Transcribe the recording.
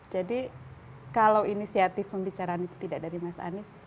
jadi kalau inisiatif pembicaraan itu tidak dari mas anies